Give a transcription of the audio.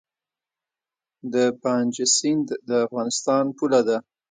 د پنج سیند د افغانستان پوله ده